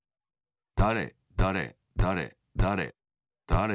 だれだれだれだれだれ